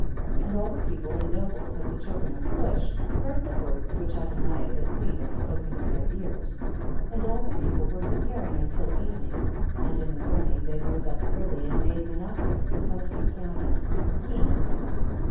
8. And all the people and nobles of the children of Cush heard the words which Adoniah the queen had spoken in their ears. 9. And all the people were pre paring until the evening, and in the morning they rose up early and made Menacrus son of Kikianus king over them.